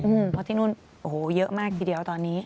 เพราะที่โน่นเยอะมากทีเดียวตอนนี้